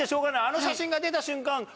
あの写真が出た瞬間